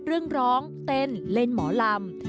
เรื่องร้องเต้นเล่นหมอลำ